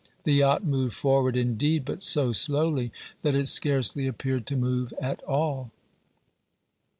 The yacht moved forward, indeed, but so slowly that it scarcely appeared to move at all.